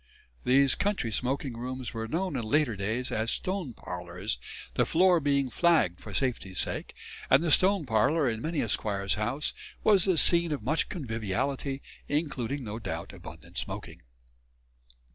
These country smoking rooms were known in later days as stone parlours, the floor being flagged for safety's sake; and the "stone parlour" in many a squire's house was the scene of much conviviality, including, no doubt, abundant smoking.